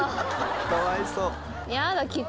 かわいそう。